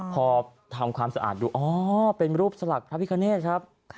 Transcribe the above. พอทำความสะอาดดูอ๋อเป็นรูปสลักพระพิคเนธครับ